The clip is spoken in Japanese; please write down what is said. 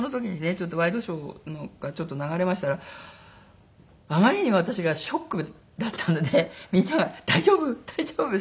ちょっとワイドショーが流れましたらあまりに私がショックだったのでみんなが「大丈夫？大丈夫？」っつって。